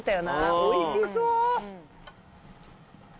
おいしそう！